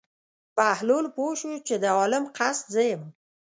بهلول پوه شو چې د عالم قصد زه یم.